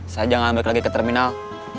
saya jangan balik lagi ke terminal